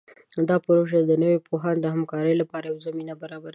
دا پروژه د نوو پوهانو د همکارۍ لپاره یوه زمینه برابروي.